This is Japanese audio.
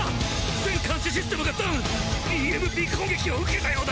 全監視システムがダウンＥＭＰ攻撃を受けたようだ！